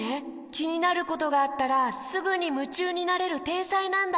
きになることがあったらすぐにむちゅうになれるてんさいなんだ！